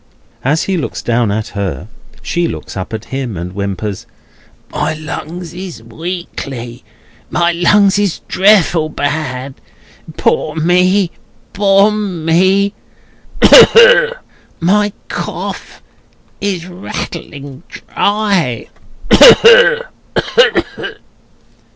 As he looks down at her, she looks up at him, and whimpers: "My lungs is weakly; my lungs is dreffle bad. Poor me, poor me, my cough is rattling dry!"